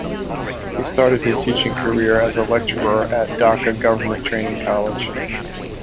He started his teaching career as a Lecturer at Dacca Government Training College.